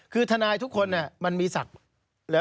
คือทนายทุกคนมันมีศักดิ์